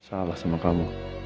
salah sama kamu